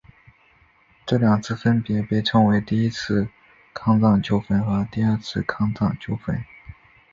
这两次分别被称为第一次康藏纠纷和第二次康藏纠纷。